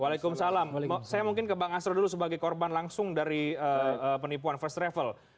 waalaikumsalam saya mungkin ke bang asro dulu sebagai korban langsung dari penipuan first travel